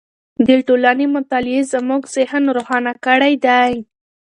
د ټولنې مطالعې زموږ ذهن روښانه کړی دی.